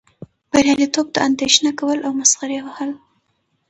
بریالیتوب ته اندیښنه کول او مسخرې وهل.